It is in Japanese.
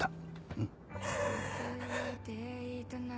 うん。